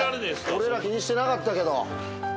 俺ら気にしてなかったけど。